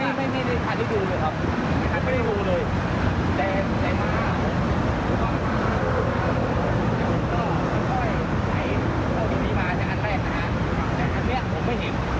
แดนใจม้าก็พี่พีมาน์คืออันแรกนะคะ